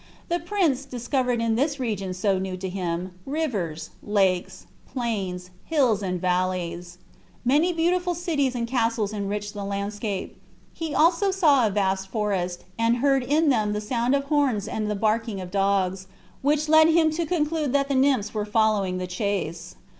The prince discovered in this region so new to him rivers, lakes, plains, hills, and valleys. Many beautiful cities and castles enriched the landscape. He saw also vast forests, and heard in them the sound of horns and the barking of dogs, which led him to conclude that the nymphs were following the chase.